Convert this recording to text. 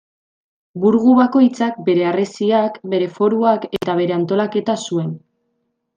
Burgu bakoitzak bere harresiak, bere foruak eta bere antolaketa zuen.